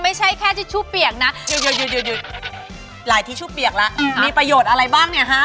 ไม่ใช่แค่ทิชชู่เปียกนะอยู่หลายทิชชู่เปียกแล้วมีประโยชน์อะไรบ้างเนี่ยฮะ